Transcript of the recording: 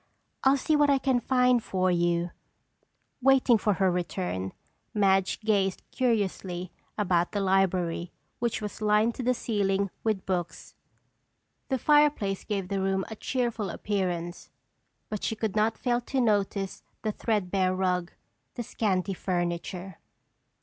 I'll see what I can find for you." Waiting for her to return, Madge gazed curiously about the library which was lined to the ceiling with books. The fireplace gave the room a cheerful appearance but she could not fail to notice the threadbare rug, the scanty furniture.